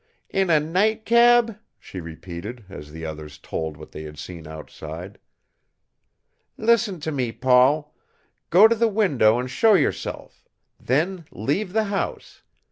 "In a taxicab?" she repeated, as the others told what they had seen outside. "Listen to me, Paul. Go to the window and show yourself. Then leave the house.